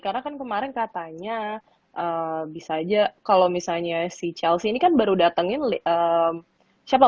karena kan kemarin katanya bisa aja kalau misalnya si chelsea ini kan baru datangin siapa